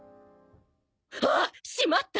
あっ！しまった。